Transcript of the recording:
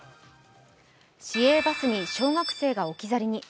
市営バスに小学生が置き去りに。